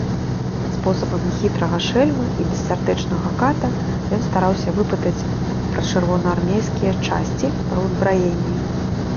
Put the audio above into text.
Спосабамі хітрага шэльмы і бессардэчнага ката ён стараўся выпытаць пра чырвонаармейскія часці, пра ўзбраенне.